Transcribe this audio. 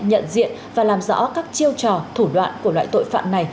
nhận diện và làm rõ các chiêu trò thủ đoạn của loại tội phạm này